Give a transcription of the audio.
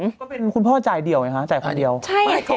ก็เป็นคุณพ่อจ่ายเดี่ยวไงคะจ่ายค่าเดียว